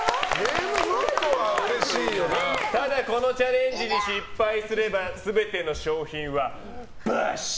ただ、このチャレンジに失敗すれば全ての商品は没収！